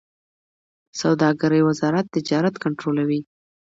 د سوداګرۍ وزارت تجارت کنټرولوي